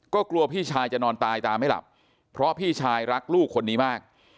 ก็กลัวพี่ชายจะนอนตายตามไม่หลับเพราะพี่ชายรักลูกคนนี้มาก